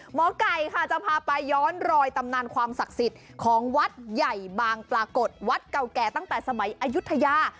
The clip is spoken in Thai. หมอไก่ค่ะจะพาไปย้อนรอยตำนานความศักดิ์สิทธิ์ของวัดใหญ่บางปรากฏวัดเก่าแก่ตั้งแต่สมัยอายุทยา